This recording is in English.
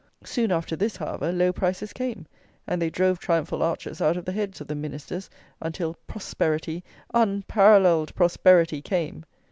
Soon after this, however, low prices came, and they drove triumphal arches out of the heads of the Ministers, until "prosperity, unparalleled prosperity" came!